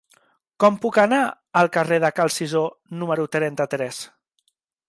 Com puc anar al carrer de Cal Cisó número trenta-tres?